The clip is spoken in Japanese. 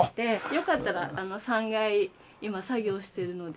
よかったら３階今作業しているので。